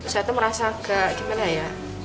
saya tuh merasa gak gimana ya